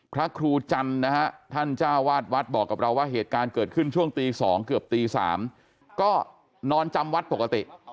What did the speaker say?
พระครูจันทร์นะฮะท่านเจ้าวาดวัดบอกกับเราว่าเหตุการณ์เกิดขึ้นช่วงตี๒เกือบตี๓ก็นอนจำวัดปกติ